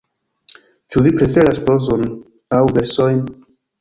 Ĉu vi preferas prozon aŭ versojn?